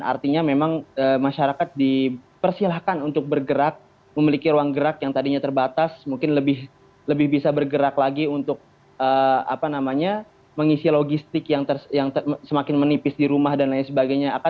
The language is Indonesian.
artinya memang masyarakat dipersilahkan untuk bergerak memiliki ruang gerak yang tadinya terbatas mungkin lebih bisa bergerak lagi untuk mengisi logistik yang semakin menipis di rumah dan lain sebagainya